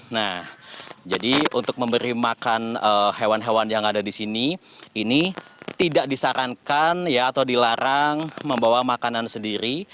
nah jadi untuk memberi makan hewan hewan yang ada di sini ini tidak disarankan atau dilarang membawa makanan sendiri